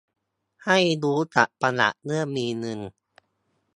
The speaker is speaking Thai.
ให้รู้จักประหยัดเมื่อมีเงิน